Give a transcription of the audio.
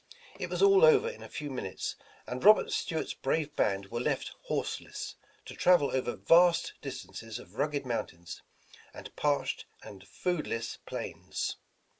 It was all over in a few minutes, and Robert Stuart's brave band were left horseless, to travel over vast distances of rugged mountains, and parched and foodless plains.